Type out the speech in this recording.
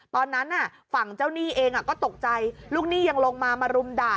ตอนนั้นฝั่งเจ้าหนี้เองก็ตกใจลูกหนี้ยังลงมามารุมด่า